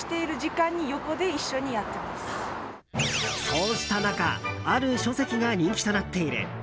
そうした中ある書籍が人気となっている。